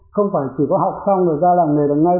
không phải chỉ có học xong rồi ra làm nghề được ngay